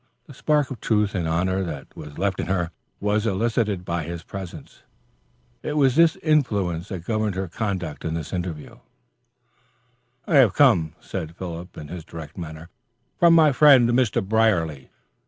The spark of truth and honor that was left in her was elicited by his presence. It was this influence that governed her conduct in this interview. "I have come," said Philip in his direct manner, "from my friend Mr. Brierly.